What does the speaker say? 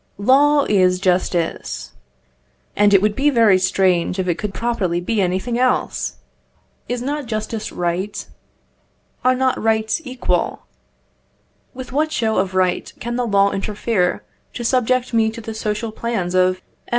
Law is justice. And it would be very strange if it could properly be anything else! Is not justice right? Are not rights equal? With what show of right can the law interfere to subject me to the social plans of MM.